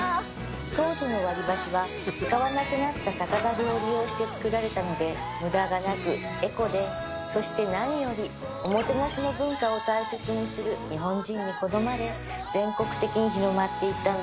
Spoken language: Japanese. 当時の割り箸は使わなくなった酒だるを利用して作られたので無駄がなくエコでそして何よりおもてなしの文化を大切にする日本人に好まれ全国的に広まっていったんだと思います